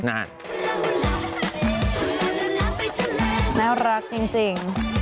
น่ารักจริง